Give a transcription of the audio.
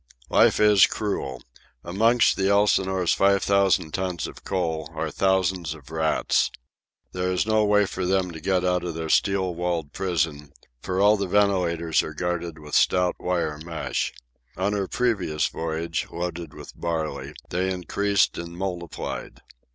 Life is cruel. Amongst the Elsinore's five thousand tons of coal are thousands of rats. There is no way for them to get out of their steel walled prison, for all the ventilators are guarded with stout wire mesh. On her previous voyage, loaded with barley, they increased and multiplied.